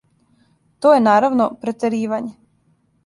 То је, наравно, претеривање.